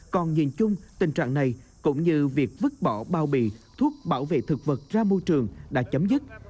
còn nhìn chung tình trạng này cũng như việc vứt bỏ bao bì thuốc bảo vệ thực vật ra môi trường đã chấm dứt